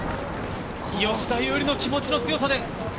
吉田優利の気持ちの強さです。